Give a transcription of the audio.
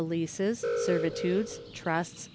Leases. Servitudes. Trusts.